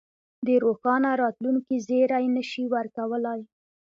د روښانه راتلونکې زېری نه شي ورکولای.